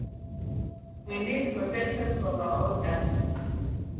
Katika misimu yote ya mwaka ugonjwa wa homa ya mapafu hutokea